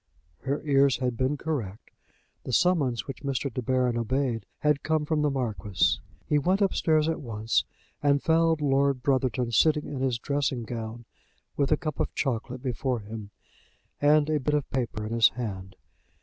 Her ears had been correct. The summons which Mr. De Baron obeyed had come from the Marquis. He went upstairs at once, and found Lord Brotherton sitting in his dressing gown, with a cup of chocolate before him, and a bit of paper in his hand.